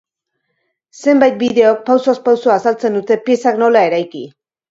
Zenbait bideok pausuz pausu azaltzen dute piezak nola eraiki.